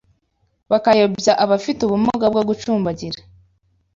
bakayobya abafite ubumuga bwo gucumbagira